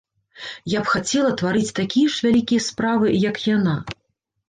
Я б хацела тварыць такія ж вялікія справы, як яна.